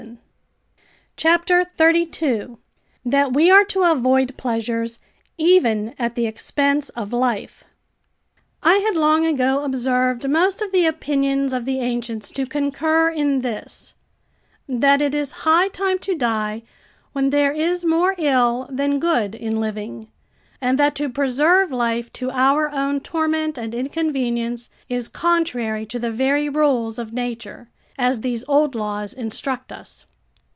13.] CHAPTER XXXII THAT WE ARE TO AVOID PLEASURES, EVEN AT THE EXPENSE OF LIFE I had long ago observed most of the opinions of the ancients to concur in this, that it is high time to die when there is more ill than good in living, and that to preserve life to our own torment and inconvenience is contrary to the very rules of nature, as these old laws instruct us.